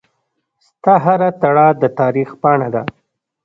ستا هره تړه دتاریخ پاڼه ده